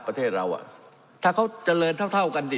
ประเทศเราอ่ะถ้าเขาเจริญเท่าเท่ากันสิ